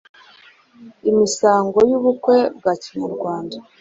imisango y’ubukwe bwa kinyarwanda,